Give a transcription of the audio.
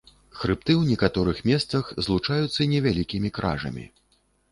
Хрыбты ў некаторых месцах злучаюцца невялікімі кражамі.